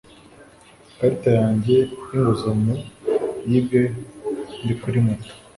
Ikarita yanjye y'inguzanyo yibwe ndi kuri moto